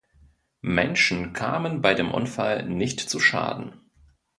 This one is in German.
Menschen kamen bei dem Unfall nicht zu Schaden.